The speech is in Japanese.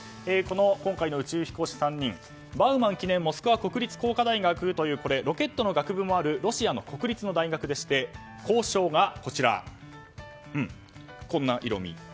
今回の宇宙飛行士３人バウマン記念モスクワ国立工科大学というロケットの学部もあるロシアの国立の大学でして校章がこんな色味。